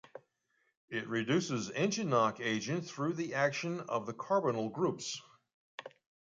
It reduces engine knock agent through the action of the carbonyl groups.